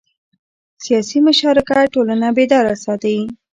سیاسي مشارکت ټولنه بیداره ساتي